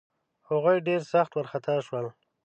هغوی ډېر سخت وارخطا شول.